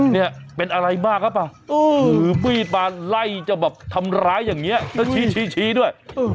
เนี่ยเป็นอะไรมากหรือเปล่าถือมีดมาไล่จะแบบทำร้ายอย่างนี้แล้วชี้ด้วย